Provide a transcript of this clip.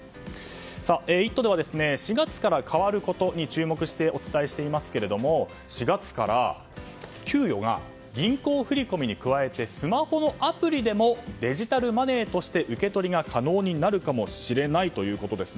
「イット！」では４月から変わることに注目してお伝えしていますが４月から給与が銀行振り込みに加えてスマホのアプリでもデジタルマネーとして受け取りが可能になるかもしれないということですね。